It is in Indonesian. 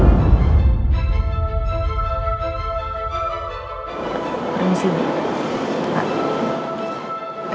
lo udah kayak apa singkat mother